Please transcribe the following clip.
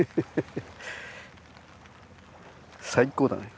最高だね。